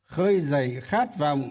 khơi dậy khát vọng